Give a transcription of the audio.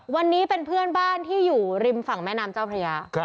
วันนี้เป็นเพื่อนบ้านที่อยู่ริมฝั่งแม่น้ำเจ้าพระยา